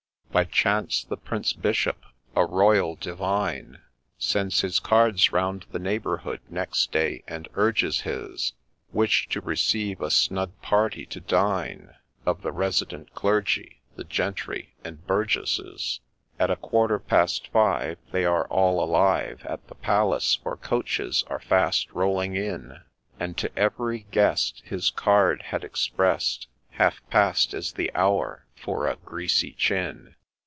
By chance the Prince Bishop, a Royal Divine, Sends his cards round the neighbourhood next day, and urges his A LAY OF ST. GENGULPHUS 147 Wish to receive a snug party to dine Of the resident clergy, the gentry, and burgesses. At a quarter past five they are all alive, At the palace, for coaches are fast rolling in ; And to every guest his card had express'd ' Half past ' as the hour for ' a greasy chin.'